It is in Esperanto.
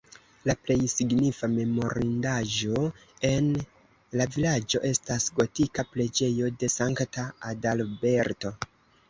La plej signifa memorindaĵo en la vilaĝo estas gotika preĝejo de Sankta Adalberto.